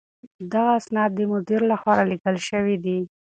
دغه اسناد د مدير له خوا رالېږل شوي دي.